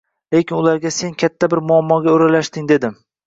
Lekin ularga sen katta bir muammoga oʻralashding dedim.